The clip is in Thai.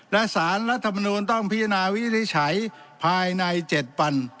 และสารรัฐมนูลต้องพิจารณาวินิจฉัยภายใน๗วัน